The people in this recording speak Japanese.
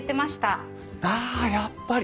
ああやっぱり。